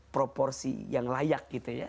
proporsi yang layak